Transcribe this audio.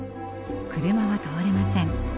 車は通れません。